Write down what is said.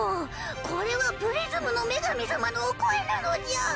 これはプリズムの女神様のお声なのじゃ。